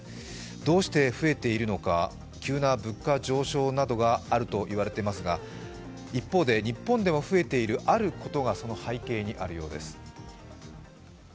どうして増えているのか急な物価上昇などがあると言われていますが一方で日本でも増えているあることがその背景にあるようです。